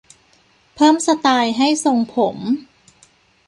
เพิ่มสไตล์ให้ทรงผม